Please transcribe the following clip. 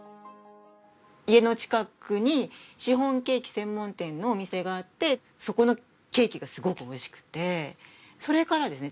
家の近くにシフォンケーキ専門店のお店があってそこのケーキがすごくおいしくてそれからですね